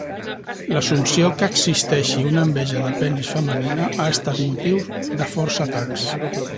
L'assumpció que existeixi una enveja de penis femenina ha estat motiu de forts atacs.